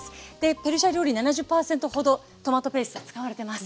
ペルシャ料理７０％ほどトマトペースト使われてます。